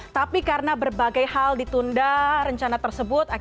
tapi karena berbagai hal ditunda rencana tersebut